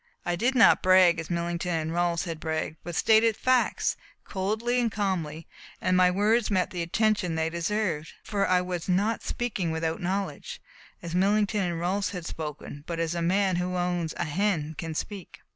I did not brag, as Millington and Rolfs had bragged, but stated facts coldly and calmly, and my words met the attention they deserved, for I was not speaking without knowledge, as Millington and Rolfs had spoken, but as a man who owns a hen can speak.